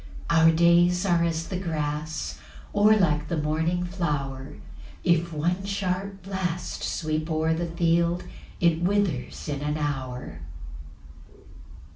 7 Our days are as the grass, Or like the morning flower; If one sharp blast sweep o'er the field, It withers in an hour.